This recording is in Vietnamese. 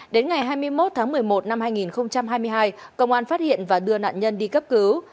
đến ngày hai mươi một tháng một mươi một năm hai nghìn hai mươi hai công an phát hiện và đưa nạn nhân đi cấp cứu